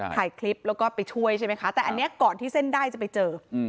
ถ่ายคลิปแล้วก็ไปช่วยใช่ไหมคะแต่อันนี้ก่อนที่เส้นได้จะไปเจอ